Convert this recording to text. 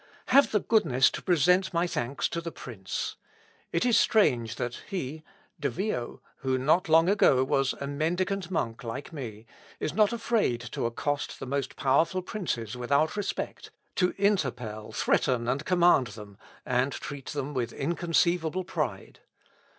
Have the goodness to present my thanks to the prince. It is strange that he, (De Vio,) who not long ago was a mendicant monk like me, is not afraid to accost the most powerful princes without respect, to interpel, threaten, and command them, and treat them with inconceivable pride.